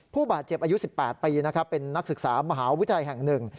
ผู้บาดเจ็บอายุ๑๘ปีนะครับเป็นนักศึกษามหาวิทยาลัยแห่งหนึ่ง